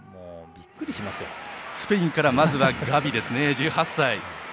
スペインからまずはガビですね。